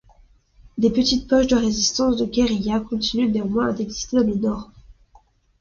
Des petites poches de résistance de guérilla continuent néanmoins d'exister dans le Nord.